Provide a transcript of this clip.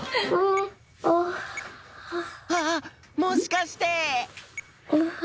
あっもしかして！